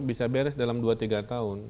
bisa beres dalam dua tiga tahun